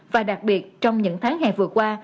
và đặc biệt trong những tháng hè vừa qua